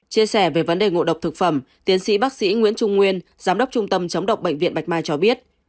chia sẻ về vấn đề ngộ độc thực phẩm tiến sĩ bác sĩ nguyễn trung nguyên giám đốc trung tâm chống độc bệnh viện bạch mai cho biết